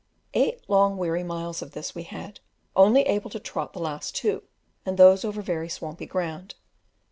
Eight long weary miles of this had we, only able to trot the last two, and those over very swampy ground.